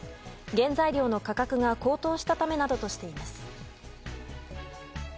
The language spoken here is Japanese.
原材料の価格が高騰したためなどとしています。